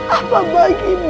apa bagimu faris